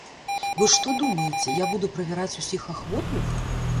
Вы што думаеце, я буду правяраць усіх ахвотных?